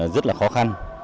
rất là khó khăn